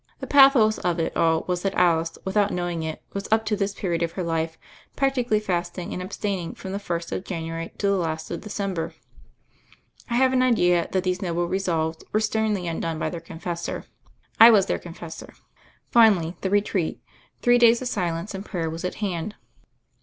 The pathos of it all was that Alice, without knowing it, was, up to this period of her life, practically fasting and abstaining from the first of January to the last of December. I have an idea that these noble resolves were sternly undone by their con fessor. I was their confessor. Finally, the retreat — three days of silence and prayer — was at hand.